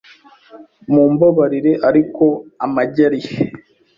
Mumbabarire, ariko amagi arihe?